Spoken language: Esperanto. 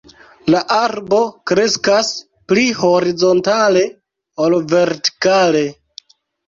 La arbo kreskas pli horizontale ol vertikale.